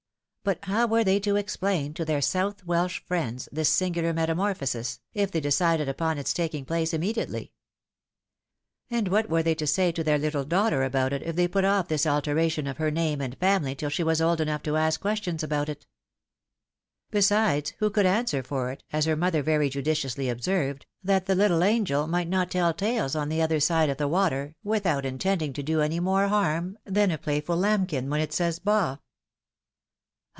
But how were they to explain to their South Welsh friends this singular metamorphosis, if they decided upon its taking place inmaediately ? And what were they to say to their Uttle daughter about it if they put off this alteration of her name and famQy till she was old enough to ask questions about it ? Besides, who could answer for it, as her mother very judiciously observed, that the little angel might not tell tales on the other side of the water, without intend ing to do any more harm than a playful lambkin when it says " ba